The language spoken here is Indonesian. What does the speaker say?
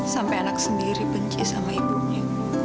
sampai anak sendiri benci sama ibunya